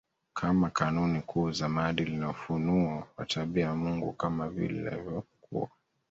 kama kanuni kuu za Maadili na ufunuo wa tabia ya Mungu kama vile ilivyokuwa